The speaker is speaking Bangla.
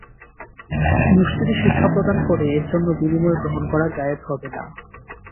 মসজিদে শিক্ষা প্রদান করে এর জন্য বিনিময় গ্রহণ করা জায়েজ হবে না।